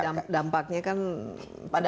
tapi dampaknya kan berdua